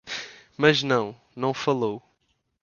Mas não; não falou